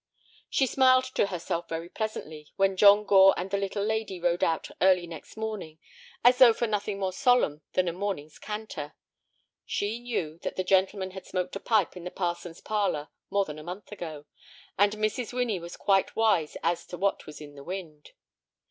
She smiled to herself very pleasantly when John Gore and the "little lady" rode out early next morning as though for nothing more solemn than a morning's canter. She knew that the gentleman had smoked a pipe in the parson's parlor more than a month ago, and Mrs. Winnie was quite wise as to what was in the wind.